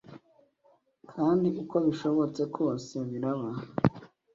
kandi uko bishobotse kose biraba